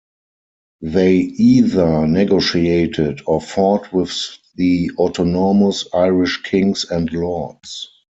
They either negotiated or fought with the autonomous Irish Kings and lords.